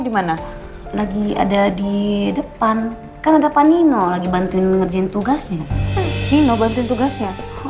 dimana lagi ada di depan kan ada pak nino lagi bantuin ngerjain tugasnya nino bantuin tugasnya